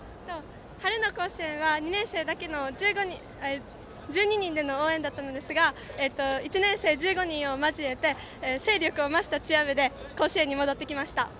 春の甲子園は２年生だけ１２人での応援だったんですが１年生、１５人を交えて勢力を増したチア部で甲子園に戻ってきました。